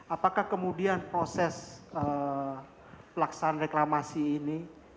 apakah kemudian proses pelaksanaan reklamasi ini